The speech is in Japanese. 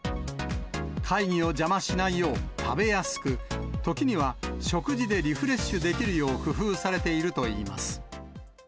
会議を邪魔しないよう、食べやすく、時には食事でリフレッシュできるよう、工夫されているといいます。